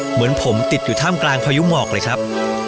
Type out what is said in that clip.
เหมือนผมติดอยู่ท่ามกลางพายุหมอกเลยครับ